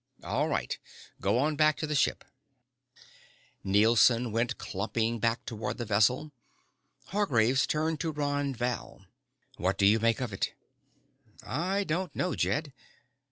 "All right. Go on back to the ship." Nielson went clumping back toward the vessel. Hargraves turned to Ron Val. "What do you make of it?" "I don't know, Jed.